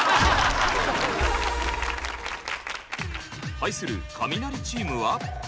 対するカミナリチームは。